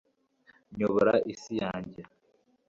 nyobora isi yanjye